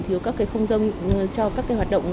thiếu các không gian cho các cái hoạt động